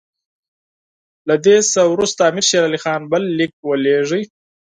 له دې څخه وروسته امیر شېر علي خان بل لیک ولېږه.